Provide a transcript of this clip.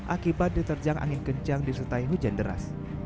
akibat diterjang angin kencang disertai hujan deras